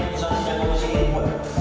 usaha siap polisi diikuti